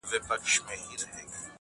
خوند كوي دا دوه اشــــنا.